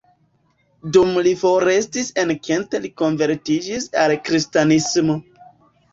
Dum li forestis en Kent li konvertiĝis al kristanismo.